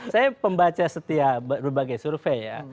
saya pembaca setiap berbagai survei ya